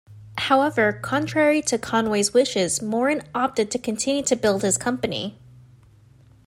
However, contrary to Conway's wishes, Morin opted to continue to build his company.